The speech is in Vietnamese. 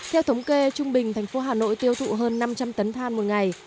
theo thống kê trung bình thành phố hà nội tiêu thụ hơn năm trăm linh tấn than một ngày